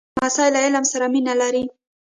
لمسی له علم سره مینه لري.